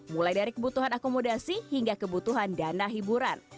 mulai dari kebutuhan akomodasi hingga kebutuhan dana hiburan